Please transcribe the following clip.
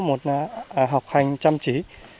một là học hành chăm chí